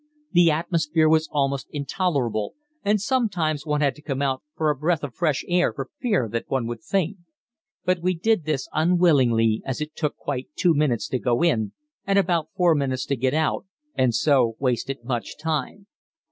The atmosphere was almost intolerable, and sometimes one had to come out for a breath of fresh air for fear that one would faint. But we did this unwillingly, as it took quite two minutes to go in and about four minutes to get out, and so wasted much time.